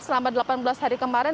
selama delapan belas hari kemarin